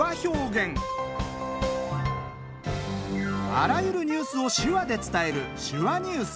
あらゆるニュースを手話で伝える「手話ニュース」。